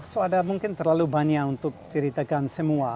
so ada mungkin terlalu banyak untuk ceritakan semua